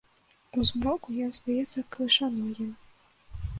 У змроку ён здаецца клышаногім.